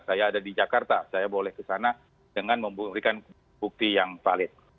saya ada di jakarta saya boleh kesana dengan memberikan bukti yang valid